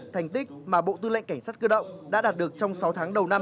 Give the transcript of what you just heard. thành tích mà bộ tư lệnh cảnh sát cơ động đã đạt được trong sáu tháng đầu năm hai nghìn hai